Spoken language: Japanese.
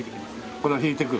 これを引いてく？